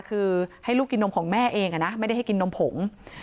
คือให้ลูกกินนมของแม่เองนะไม่ได้ให้กินนมผง